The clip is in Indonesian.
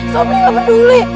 sobri gak peduli